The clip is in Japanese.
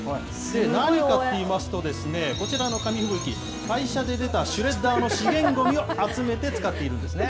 何かといいますとですね、こちらの紙吹雪、会社で出たシュレッダーの資源ごみを集めて使っているんですね。